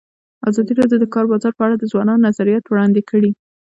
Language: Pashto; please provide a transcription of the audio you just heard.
ازادي راډیو د د کار بازار په اړه د ځوانانو نظریات وړاندې کړي.